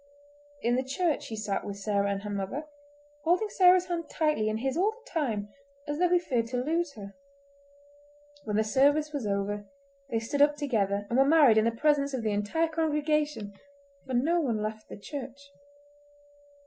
In the church he sat with Sarah and her mother, holding Sarah's hand tightly in his all the time, as though he feared to lose her. When the service was over they stood up together, and were married in the presence of the entire congregation; for no one left the church.